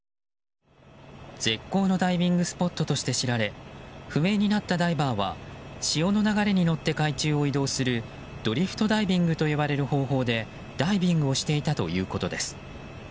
絶好のダイビングスポットとして知られ不明になったダイバーは潮の流れに乗って海中を移動するドリフトダイビングと呼ばれる方法でダイビングをしていたということです。